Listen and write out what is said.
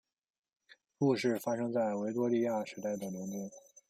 故事发生在维多利亚时代的伦敦。